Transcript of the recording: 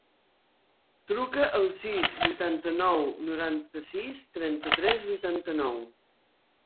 Truca al sis, vuitanta-nou, noranta-sis, trenta-tres, vuitanta-nou.